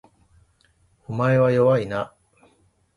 お前は弱いな